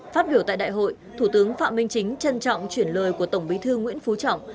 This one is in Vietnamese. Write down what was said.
phát biểu tại đại hội thủ tướng phạm minh chính trân trọng chuyển lời của tổng bí thư nguyễn phú trọng